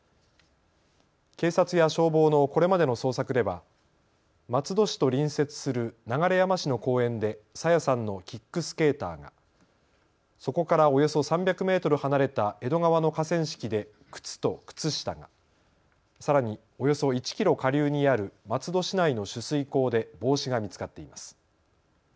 警察や消防のこれまでの捜索では松戸市と隣接する流山市の公園で朝芽さんのキックスケーターが、そこからおよそ３００メートル離れた江戸川の河川敷で靴と靴下が、さらにおよそ１キロ下流にある松戸市内の取水口で帽子が見つかっています。